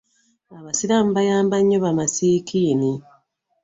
Abasiramu bayamba nnyo bamasikini.